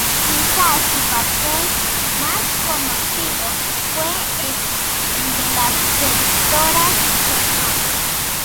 Quizás, su papel más conocido fue el de la seductora Sra.